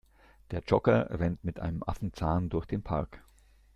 Der Jogger rennt mit einem Affenzahn durch den Park.